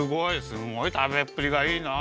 すごい食べっぷりがいいな。